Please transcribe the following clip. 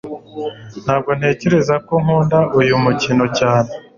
Ntabwo ntekereza ko nkunda uyu mukino cyane